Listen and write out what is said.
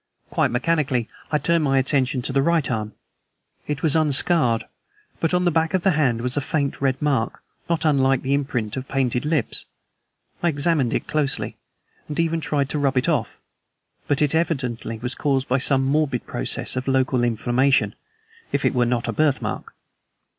Quite mechanically I turned my attention to the right arm. It was unscarred, but on the back of the hand was a faint red mark, not unlike the imprint of painted lips. I examined it closely, and even tried to rub it off, but it evidently was caused by some morbid process of local inflammation, if it were not a birthmark.